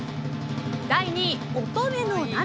第２位、乙女の涙。